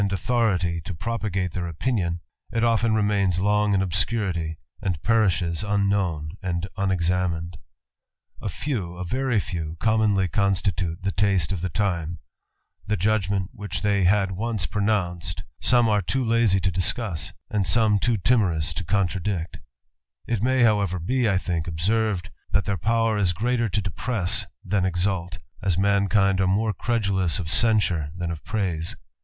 authority to propagate their opinion, it often re in obscurity, and perishes unknown and unexa few, a very few, commonly constitute the taste of the judgment which they had once pronounced too lazy to discuss, and some too timorous to co may however be, I think, observed, that thai greater to depress than exalt, as mankind credulous of censure than of praise.